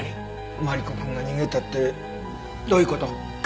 マリコくんが逃げたってどういう事？